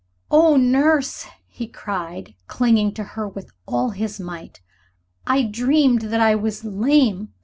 "Oh, Nurse," he cried, clinging to her with all his might. "I dreamed that I was lame!